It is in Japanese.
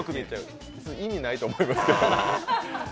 意味ないと思いますけど。